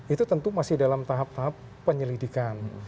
itu tentu masih dalam tahap tahap penyelidikan